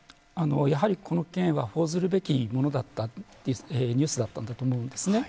やはり、この件は報ずるべきものだったニュースだったんだと思うんですね。